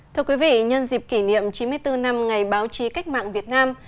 thưa quý vị nhân dịp kỷ niệm chín mươi bốn năm ngày báo chí cách mạng việt nam